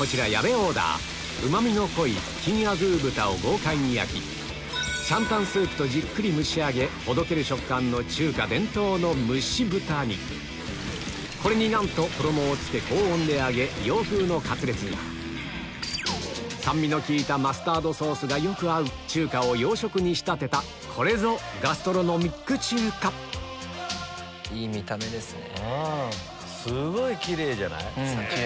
オーダーうまみの濃い金アグー豚を豪快に焼き上湯スープとじっくり蒸し上げほどける食感の中華伝統の蒸し豚にこれになんと衣をつけ高温で揚げ洋風のカツレツに酸味の利いたマスタードソースがよく合う中華を洋食に仕立てたこれぞガストロノミック中華いい見た目ですね。